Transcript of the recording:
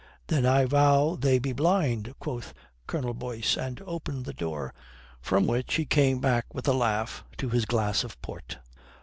"Then I vow they be blind," quoth Colonel Boyce, and opened the door, from which he came back with a laugh to his glass of port.